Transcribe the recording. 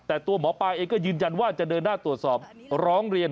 แต่ตัวหมอปลาเองก็ยืนยันว่าจะเดินหน้าตรวจสอบร้องเรียน